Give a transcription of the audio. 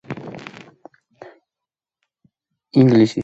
ინგლისის დედოფალ ანა კლეველის უფროსი და.